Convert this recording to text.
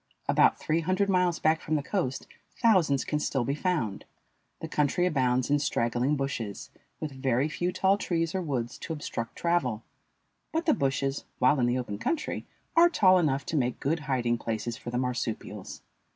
About three hundred miles back from the coast thousands can still be found. The country abounds in straggling bushes, with very few tall trees or woods to obstruct travel; but the bushes, while in the open country, are tall enough to make good hiding places for the marsupials.